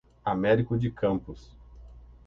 Américo de Campos